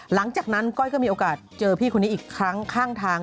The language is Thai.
หลังจากนั้นก้อยก็มีโอกาสเจอพี่คนนี้อีกครั้งข้างทาง